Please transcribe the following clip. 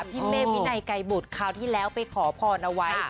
พี่เมฆวินัยไกรบุตรคราวที่แล้วไปขอพรเอาไว้